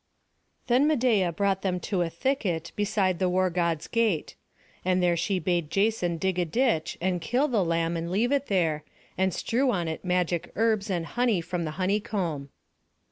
Then Medeia brought them to a thicket, beside the War god's gate; and there she bade Jason dig a ditch, and kill the lamb and leave it there, and strew on it magic herbs and honey from the honeycomb.